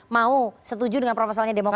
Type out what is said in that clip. mau setuju dengan proposalnya demokrat